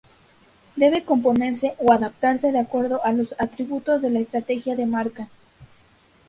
Debe componerse o adaptarse de acuerdo a los atributos de la estrategia de marca.